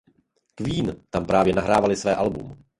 Queen tam právě nahrávali své album.